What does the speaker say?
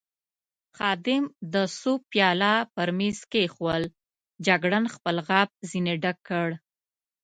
خادم د سوپ پیاله پر مېز کېښوول، جګړن خپل غاب ځنې ډک کړ.